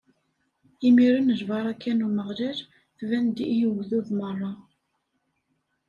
Imiren lbaṛaka n Umeɣlal tban-d i ugdud meṛṛa.